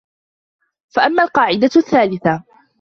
فَأَمَّا الْقَاعِدَةُ الثَّالِثَةُ